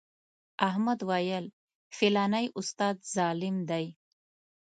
احمد ویل فلانی استاد ظالم دی.